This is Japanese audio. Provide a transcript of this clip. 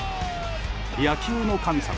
野球の神様